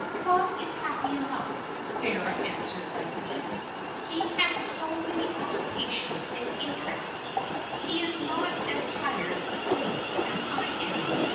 "Claude is happy enough," Vera answered lightly. "He has so many occupations and interests. He is not as tired of things as I am.